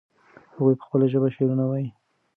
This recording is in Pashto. هغوی په خپله ژبه شعرونه وایي.